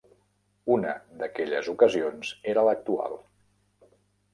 Una d'aquelles ocasions era l'actual.